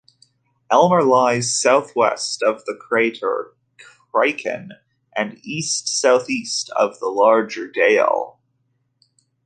Elmer lies southwest of the crater Kreiken, and east-southeast of the larger Dale.